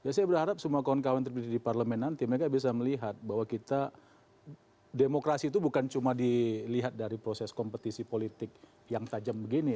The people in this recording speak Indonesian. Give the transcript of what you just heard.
ya saya berharap semua kawan kawan terpilih di parlemen nanti mereka bisa melihat bahwa kita demokrasi itu bukan cuma dilihat dari proses kompetisi politik yang tajam begini